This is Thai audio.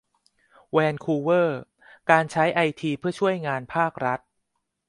แวนคูเวอร์ : การใช้ไอทีเพื่อช่วยงานภาครัฐ